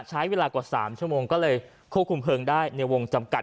ใช้เวลากว่า๓ชั่วโมงก็เลยควบคุมเพลิงได้ในวงจำกัด